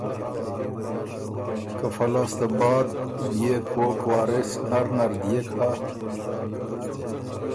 که فۀ لاسته بعد بيې کوک وارث نر نر دئېک هۀ؟